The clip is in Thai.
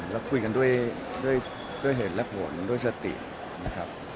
แล้วคุยกันด้วยเหตุและผลด้วยสตินะครับ